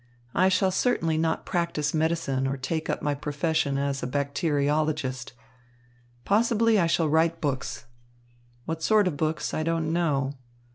"I shall certainly not practise medicine or take up my profession as a bacteriologist. Possibly I shall write books. What sort of books I don't know.